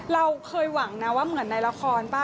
เราเคยหวังนะว่าเหมือนในละครป่ะ